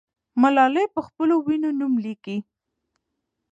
ملالۍ پخپلو وینو نوم لیکي.